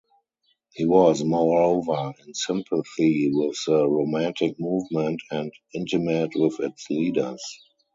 He was, moreover, in sympathy with the Romantic movement, and intimate with its leaders.